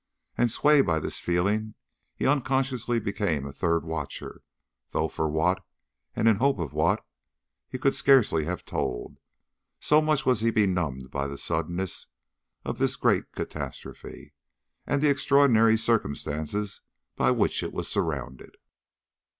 And swayed by this feeling, he unconsciously became a third watcher, though for what, and in hope of what, he could scarcely have told, so much was he benumbed by the suddenness of this great catastrophe, and the extraordinary circumstances by which it was surrounded.